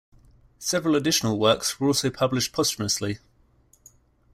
Several additional works were also published posthumously.